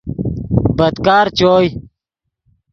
بدکار چوئے